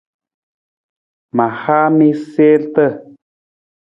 Ma haa mi siirta.